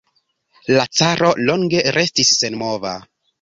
La caro longe restis senmova.